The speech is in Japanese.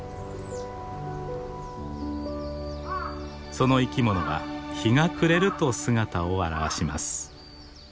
その生き物は日が暮れると姿を現します。